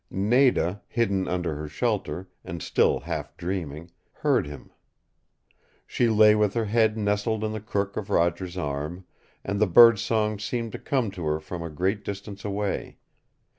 Nada, hidden under her shelter, and still half dreaming, heard him. She lay with her head nestled in the crook of Roger's arm, and the birdsong seemed to come to her from a great distance away.